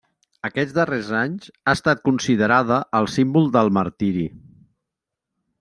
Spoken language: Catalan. Aquests darrers anys ha estat considerada el símbol del martiri.